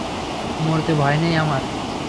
মরতে ভয় নেই আমার।